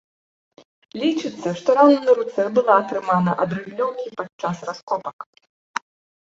Лічыцца, што рана на руцэ была атрымана ад рыдлёўкі падчас раскопак.